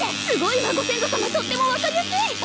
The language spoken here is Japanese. すごいわご先祖様とっても分かりやすい！